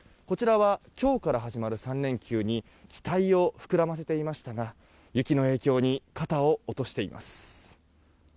こちらは今日から始まる３連休に期待を膨らませていましたが雪の影響に肩を落としています。